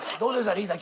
リーダー